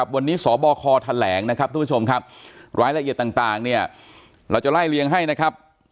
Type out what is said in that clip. วันนี้สบคแถลงรายละเอียดต่างเราจะไล่เลี้ยงให้นะครับ